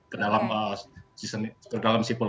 ke dalam sipul